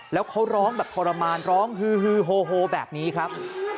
แล้วเขาร้องแบบทรมานร้องฮือโฮแบบนี้ครับ